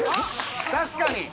確かに。